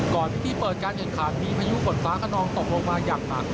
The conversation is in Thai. พิธีเปิดการแข่งขันมีพายุฝนฟ้าขนองตกลงมาอย่างหนัก